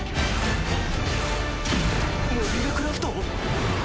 モビルクラフト？